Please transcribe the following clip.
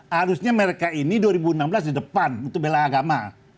harusnya mereka ini dua ribu enam belas di depan untuk bela agama